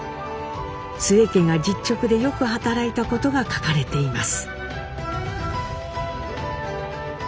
津江家が実直でよく働いたことが書かれています。